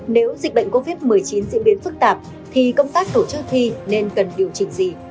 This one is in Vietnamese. nếu dịch bệnh covid một mươi chín diễn biến phức tạp thì công tác tổ chức thi nên cần điều chỉnh gì